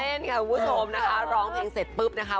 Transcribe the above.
เล่นค่ะคุณผู้ชมนะคะร้องเพลงเสร็จปุ๊บนะคะ